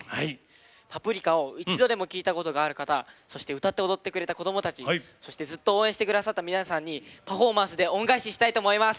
「パプリカ」を一度でも聴いたことがある方そして歌って踊ってくれた子どもたちそしてずっと応援してくださった皆さんにパフォーマンスで恩返ししたいと思います。